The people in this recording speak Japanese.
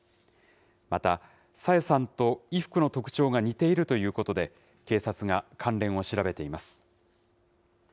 また、朝芽さんと衣服の特徴が似ているということで、警察が関連を調べています。